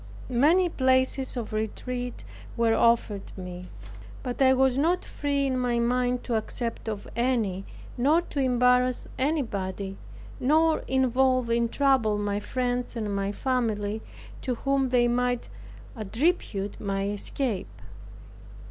Many places of retreat were offered me; but I was not free in my mind to accept of any, nor to embarrass anybody, nor involve in trouble my friends and my family, to whom they might attribute my escape.